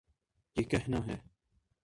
یہ کہنا ہے۔